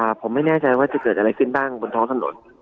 ผมไม่แน่ใจว่าจะเกิดอะไรขึ้นบ้างบนท้องถนน